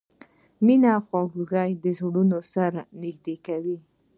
مینه او خواخوږي زړونه سره نږدې کوي.